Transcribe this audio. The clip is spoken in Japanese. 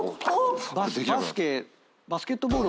バスケバスケットボールを。